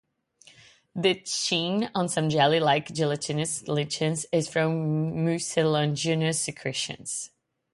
The sheen on some jelly-like gelatinous lichens is from mucilaginous secretions.